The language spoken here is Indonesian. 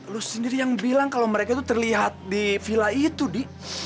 lu sendiri yang bilang kalau mereka tuh terlihat di villa itu di